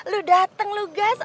lu dateng lu gas